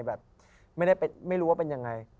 แบบไม่น่รู้ว่าเป็นอย่างไร